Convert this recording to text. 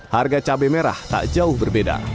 harga cabai merah tak jauh berbeda